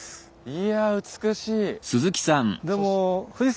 いや美しい。